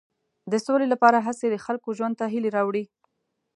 د سولې لپاره هڅې د خلکو ژوند ته هیلې راوړي.